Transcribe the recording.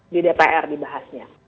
di dpr dibahasnya